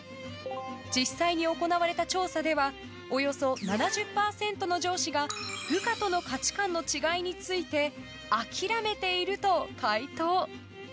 実際に行われた調査ではおよそ７０％の上司が部下との価値観の違いについて諦めていると回答。